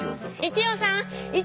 一葉さん！